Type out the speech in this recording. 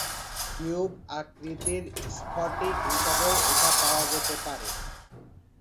Cube আকৃতির স্ফটিক হিসেবেও এটা পাওয়া যেতে পারে।